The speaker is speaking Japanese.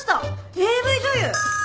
ＡＶ女優！